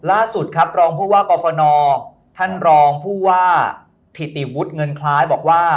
ล่าสุดครับรองผู้ว่ากรฟนท่านรองผู้ว่าถิติวุฒิเงินคล้ายบอกว่า